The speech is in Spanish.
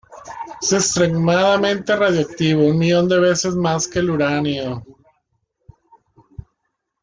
Es extremadamente radiactivo, un millón de veces más que el uranio.